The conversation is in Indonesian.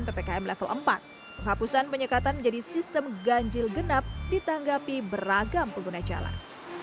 ppkm level empat penghapusan penyekatan menjadi sistem ganjil genap ditanggapi beragam pengguna jalan